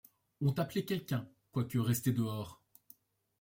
Ont appelé Quelqu’un, quoique restés dehors ;